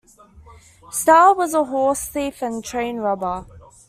Starr was a horse thief and train robber.